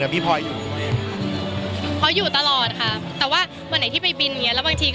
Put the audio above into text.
พ่ออยู่ตลอดค่ะแต่ว่าเมื่อไหนที่ไปบินอย่างเงี้ย